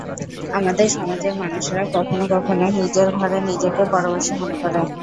আমাদের সমাজের মানুষেরা কখনো কখনো নিজের ঘরে নিজেকে পরবাসী মনে করে।